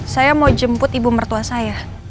saya mau jemput ibu mertua saya